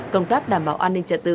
công tác đảm bảo an ninh trả tự